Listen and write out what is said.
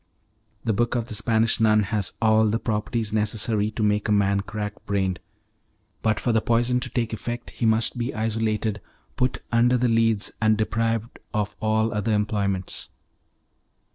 The book of the Spanish nun has all the properties necessary to make a man crack brained; but for the poison to take effect he must be isolated, put under the Leads, and deprived of all other employments.